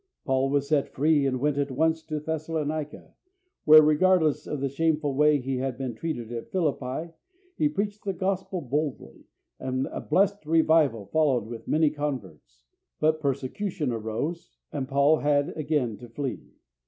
Paul was set free and went at once to Thessalonica, where, regardless of the shameful way he had been treated at Philippi, he preached the Gospel boldly, and a blessed revival followed with many converts; but persecution arose, and Paul had again to flee.